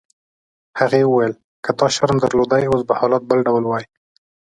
هغې وویل: که تا شرم درلودای اوس به حالات بل ډول وای.